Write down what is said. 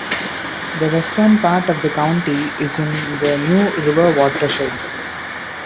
The western part of the county is in the New River watershed.